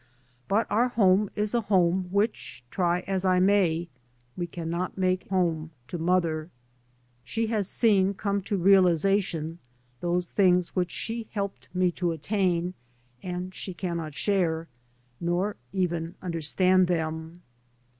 But our home is a home which, try as I may, we can not make home to mother. She has seen come to realisation those things which she helped me to attain, and she cannot share, nor even understand, them.